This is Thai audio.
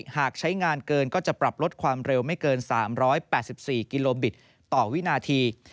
หากใช้งานเกินก็จะปรับลดความเร็วไม่เกิน๓๘๔กิโลบิตต่อวินาที